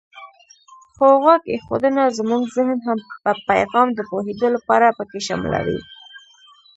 خو غوږ ایښودنه زمونږ زهن هم په پیغام د پوهېدو لپاره پکې شاملوي.